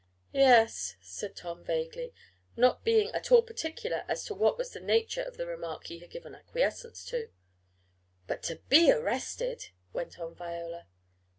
"Yes," said Tom vaguely, not being at all particular as to what was the nature of the remark he had given acquiescence to. "But to be arrested!" went on Viola.